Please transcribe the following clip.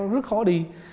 rất khó đi